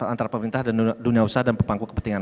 antara pemerintah dan dunia usaha dan pepangku kepentingan